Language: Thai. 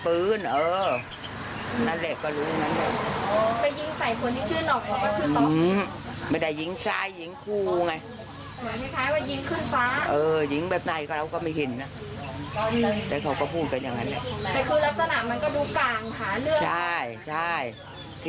อื้อไม่ได้ยิงซ่ายยิงคู่ไง